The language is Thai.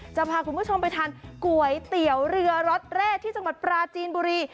จะพาคุณผู้ชมไปทานก๋วยเตี๋ยวเรือรสแรกที่จังหวัดปราจีนบุรี